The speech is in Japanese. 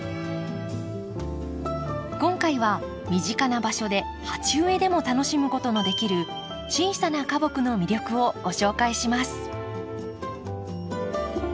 今回は身近な場所で鉢植えでも楽しむことのできる小さな花木の魅力をご紹介します。